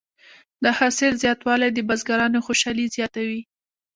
د حاصل زیاتوالی د بزګرانو خوشحالي زیاته وي.